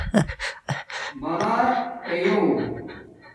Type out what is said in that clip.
بلا پیو